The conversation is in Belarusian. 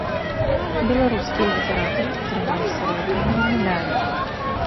Беларускія літаратары атрымалі срэбраныя медалі.